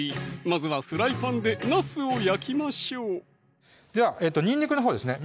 まずはフライパンでなすを焼きましょうではにんにくのほうですね